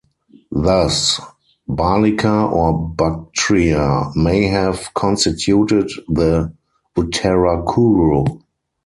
Thus, Bahlika or Bactria may have constituted the Uttarakuru.